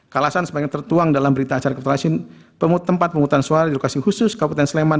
kalasan sebagai tertuang dalam berita acara keputasi tempat penghutang suara di lokasi khusus kabupaten sleman